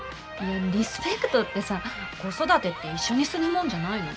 リスペクトってさ子育てって一緒にするもんじゃないの？